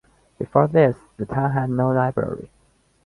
Before this, the town had no library.